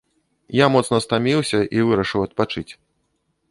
Я моцна стаміўся і вырашыў адпачыць.